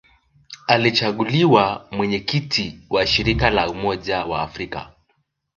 Alichaguliwa Mwenyekiti wa Shirika la Umoja wa Afrika